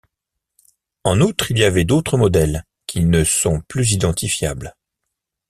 En outre, il y avait d'autres modèles, qui ne sont plus identifiables.